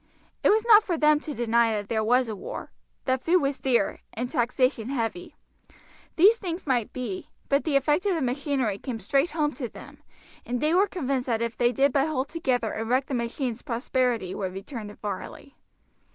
It was not for them to deny that there was a war, that food was dear, and taxation heavy. These things might be; but the effect of the machinery came straight home to them, and they were convinced that if they did but hold together and wreck the machines prosperity would return to Varley.